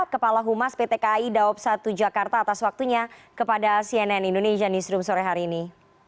kepala humas pt kai daob satu jakarta atas waktunya kepada cnn indonesia newsroom sore hari ini